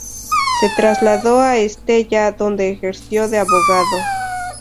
Se trasladó a Estella, donde ejerció de abogado.